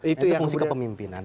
itu fungsi kepemimpinan